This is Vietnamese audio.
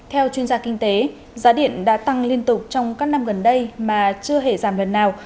theo chuyên gia kinh tế giá điện đã tăng liên tục trong các năm gần đây mà chưa hề giảm lần nào